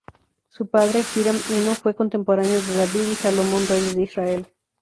Su padre, Hiram I, fue contemporáneo de David y Salomón, reyes de Israel.